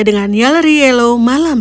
dengan yaleri yellow malam